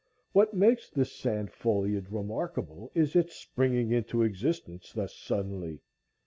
What makes this sand foliage remarkable is its springing into existence thus suddenly.